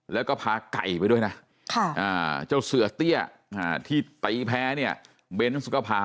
แล้วก็พาไก่ไปด้วยนะค่ะ